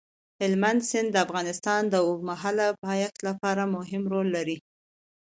هلمند سیند د افغانستان د اوږدمهاله پایښت لپاره مهم رول لري.